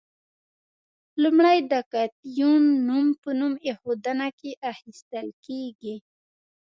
لومړی د کتیون نوم په نوم ایښودنه کې اخیستل کیږي.